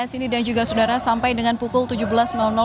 sini dan juga saudara sampai dengan pukul tujuh belas